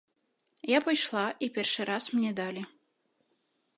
Я пайшла, і першы раз мне далі.